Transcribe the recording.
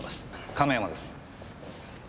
亀山です。